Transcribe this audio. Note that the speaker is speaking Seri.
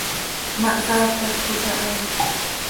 Ma hsaacalcot aha.